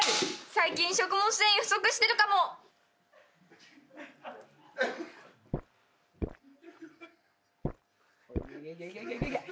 「最近食物繊維不足してるかも」いけいけいけいけ。